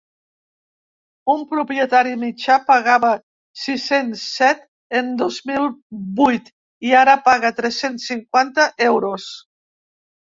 Un propietari mitjà pagava sis-cents set en dos mil vuit i ara paga tres-cents cinquanta euros.